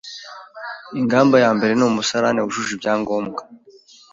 Ingamba ya mbere ni umusarane wujuje ibyangombwa